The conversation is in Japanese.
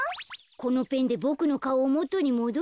このペンでボクのかおをもとにもどして。